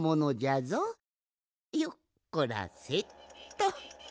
よっこらせっと。